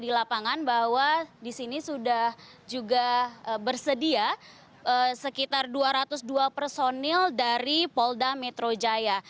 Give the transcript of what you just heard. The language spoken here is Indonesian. di lapangan bahwa di sini sudah juga bersedia sekitar dua ratus dua personil dari polda metro jaya